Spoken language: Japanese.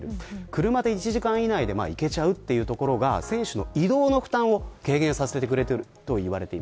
車で１時間以内に行けるということが選手の移動の負担を軽減させてくれています。